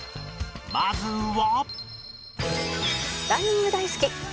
まずは